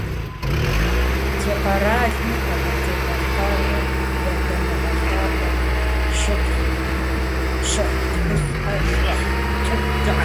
Ди къэралми Къэбэрдей-Балъкъэрми я дамыгъэ лъапӏэхэр, щытхъу, щӏыхь тхылъхэр куэдрэ къыхуагъэфэщащ.